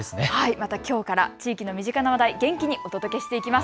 またきょうから地域の身近な話題、元気にお届けしていきます。